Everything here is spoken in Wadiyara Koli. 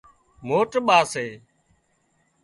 موٽ ٻا سي